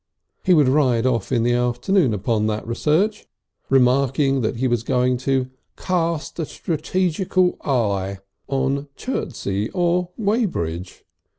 He would ride off in the afternoon upon that research, remarking that he was going to "cast a strategetical eye" on Chertsey or Weybridge.